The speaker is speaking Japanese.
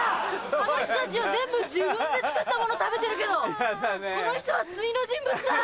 あの人たちは全部自分で作ったもの食べてるけどこの人は対の人物だ！